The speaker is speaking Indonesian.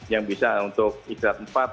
yang bisa untuk istirahat empat